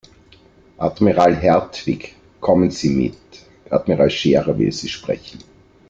Admiral Hertwig, kommen Sie mit, Admiral Scherer will Sie sprechen.